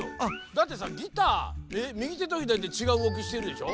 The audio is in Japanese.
だってさギターみぎてとひだりてちがううごきしてるでしょ？